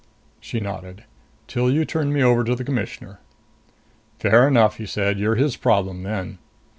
She nodded. "Till you turn me over to the Commissioner." "Fair enough," he said. "You're his problem then."